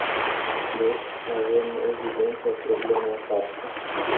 Deci, avem evident o problemă aparte.